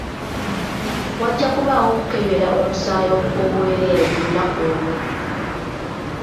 Wajja kubaawo okukebera omusaayi okw'obwereere ku lunaku olwo.